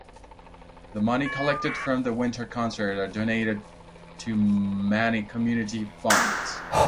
The money collected from the Winter Concert are donated to many community funds.